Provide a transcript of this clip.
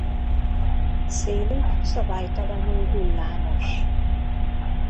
Szélük szabálytalanul hullámos.